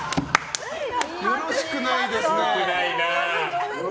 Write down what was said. よろしくないですね。